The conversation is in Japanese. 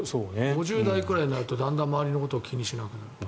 ５０代くらいになるとだんだん周りのことを気にしなくなる。